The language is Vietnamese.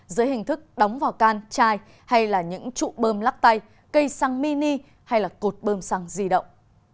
dưới hình thức đóng vào can chai hay là những trụ bơm lắc tay cây xăng mini hay là cột bơm xăng di động